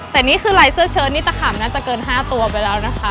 แต่นี่คือลายเสื้อเชิดนี่ตะขำน่าจะเกิน๕ตัวไปแล้วนะคะ